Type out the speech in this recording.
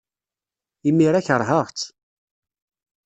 Imir-a, keṛheɣ-tt.